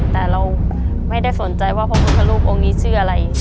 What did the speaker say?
แต่เราไม่ได้สนใจว่าพระพุทธรูปองค์นี้ชื่ออะไร